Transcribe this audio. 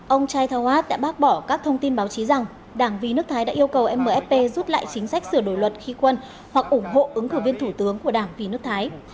ông chaitanwat đã bác bỏ các thông tin báo chí rằng đảng vi nước thái đã yêu cầu mfp rút lại chính sách sửa đổi luật khí quân hoặc ủng hộ ứng cử viên thủ tướng của đảng vì nước thái